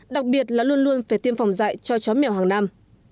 đặc biệt là luôn luôn phải tiêm phòng dạy cho chó mèo hàng năm